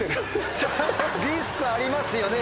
リスクありますよね